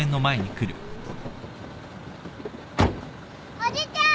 おじちゃん！